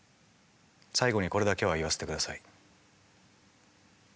最後にこれだけは言わせてください。